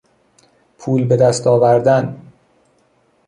پول به دست آوردن